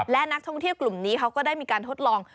และนักท่องเที่ยวกลุ่มนี้เขาก็ได้มีการทดลอง